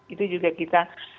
itu juga kita